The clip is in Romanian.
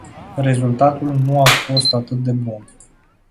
Rezultatul nu a fost atât de bun.